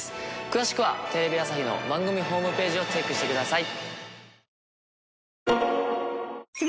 詳しくはテレビ朝日の番組ホームページをチェックしてください。